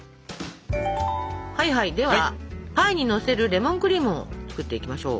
ではパイにのせるレモンクリームを作っていきましょう。